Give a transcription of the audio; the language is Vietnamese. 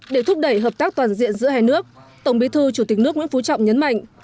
để thúc đẩy hợp tác toàn diện giữa hai nước tổng bí thư chủ tịch nước nguyễn phú trọng nhấn mạnh